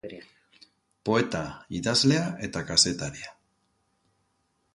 Poeta, idazlea, eta kazetaria.